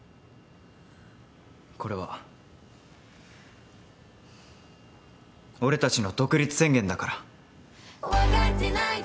これは俺たちの独立宣言だから。